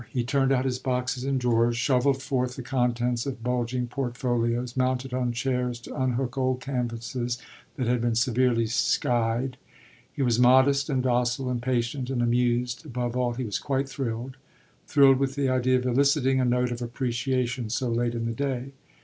He turned out his boxes and drawers, shovelled forth the contents of bulging portfolios, mounted on chairs to unhook old canvases that had been severely "skied." He was modest and docile and patient and amused, above all he was quite thrilled thrilled with the idea of eliciting a note of appreciation so late in the day.